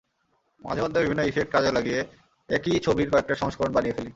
মাঝেমধ্যে বিভিন্ন ইফেক্ট কাজে লাগিয়ে একই ছবির কয়েকটা সংস্করণ বানিয়ে ফেলি।